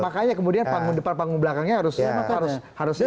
makanya kemudian panggung depan panggung belakangnya harus